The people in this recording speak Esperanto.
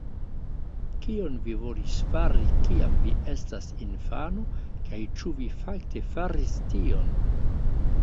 Kion vi volis fari kiam vi estas infano kaj ĉu vi fakte faris tion?